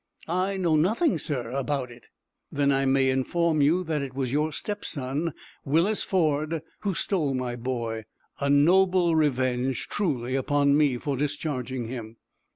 "I know nothing, sir, about it." "Then I may inform you that it was your stepson, Willis Ford, who stole my boy a noble revenge, truly, upon me for discharging him."